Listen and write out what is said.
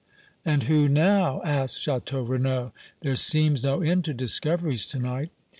"And who now?" asked Château Renaud. "There seems no end to discoveries to night."